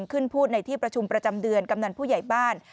พูดในที่ประชุมประจำเดือนกำนันผู้ใหญ่บ้าน